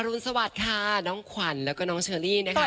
รุนสวัสดิ์ค่ะน้องขวัญแล้วก็น้องเชอรี่นะคะ